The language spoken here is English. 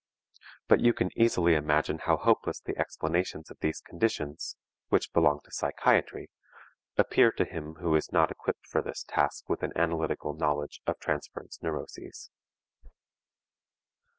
But you can easily imagine how hopeless the explanations of these conditions, which belong to psychiatry, appear to him who is not equipped for this task with an analytic knowledge of transference neuroses.